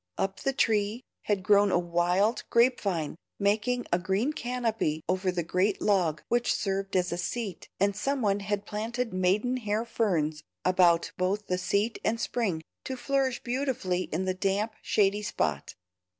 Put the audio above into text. Up the tree had grown a wild grape vine, making a green canopy over the great log which served as a seat, and some one had planted maidenhair ferns about both seat and spring to flourish beautifully in the damp, shady spot.